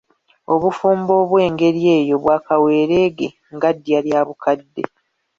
Obufumbo obw'engeri eyo bwa kaweereege nga ddya lya bukadde.